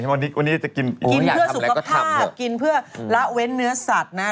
วันนี้จะกินเพื่อสุขภาพกินเพื่อละเว้นเนื้อสัตว์นะ